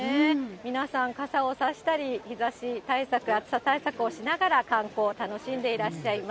皆さん傘を差したり、日ざし対策、暑さ対策をしながら観光を楽しんでいらっしゃいます。